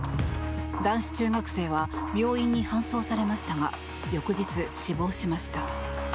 男子中学生は病院に搬送されましたが翌日、死亡しました。